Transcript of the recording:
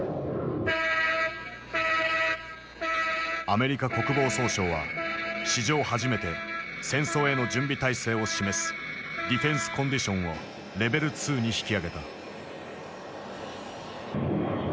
アメリカ国防総省は史上初めて戦争への準備体制を示す「ディフェンス・コンディション」をレベル２に引き上げた。